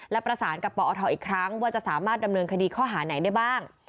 และประสานกับปอทอีกครั้งว่าจะสามารถดำเนินคดีข้อหาไหนได้บ้าง